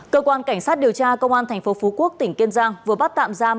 cơ quan cảnh sát điều tra công an tp phú quốc tỉnh kiên giang vừa bắt tạm giam